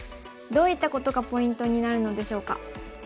どういったことがポイントになるのでしょうか。